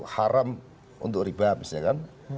haram untuk riba misalnya kan